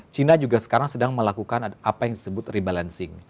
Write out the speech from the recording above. cina juga sekarang sedang melakukan apa yang disebut rebalancing